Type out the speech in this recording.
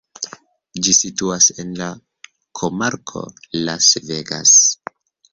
Ĝi situas en la komarko Las Vegas.